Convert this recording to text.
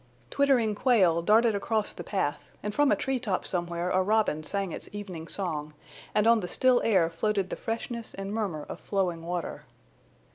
Twittering quail darted across the path, and from a tree top somewhere a robin sang its evening song, and on the still air floated the freshness and murmur of flowing water.